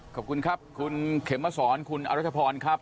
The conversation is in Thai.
ขอบคุณครับคุณเข็มมาสอนคุณอรัชพรครับ